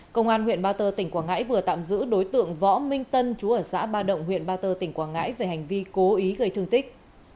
công an huyện ba tơ tỉnh quảng ngãi vừa tạm giữ đối tượng võ minh tân chú ở xã ba động huyện ba tơ tỉnh quảng ngãi về hành vi cố ý gây thương tích